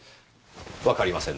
わかりませんねぇ。